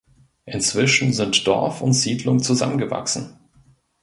Inzwischen sind Dorf und Siedlung zusammengewachsen.